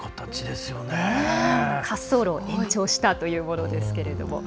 滑走路を延長したというものですけれども。